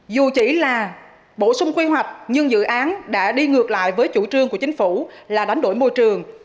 dù chỉ là bổ sung quy hoạch nhưng dự án đã đi ngược lại với chủ trương của chính phủ là đánh đổi môi trường